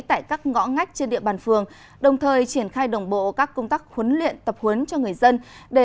tại các ngõ ngách trên địa bàn phường đồng thời triển khai đồng bộ các công tác huấn luyện tập huấn cho người dân để